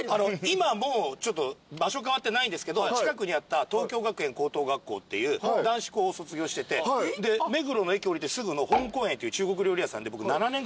今もう場所変わってないんですけど近くにあった東京学園高等学校っていう男子校を卒業しててで目黒の駅降りてすぐの。っていう中国料理屋さんで僕。